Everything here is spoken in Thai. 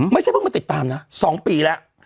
ไม่ใช่เพิ่งมาติดตามนะ๒ปีแล้ว